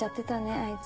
あいつ。